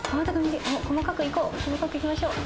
細かくいこう。